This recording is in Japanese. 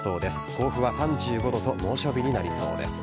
甲府は３５度と猛暑日になりそうです。